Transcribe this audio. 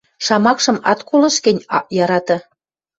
Шамакшым ат колышт гӹнь, ак яраты.